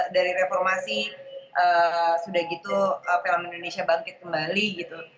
dari reformasi sudah gitu film indonesia bangkit kembali gitu